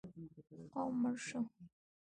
قوم مړ شو.